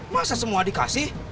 masa semua dikasih